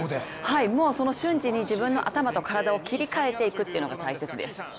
もう瞬時に自分の頭と体を切り替えていくのが必要です。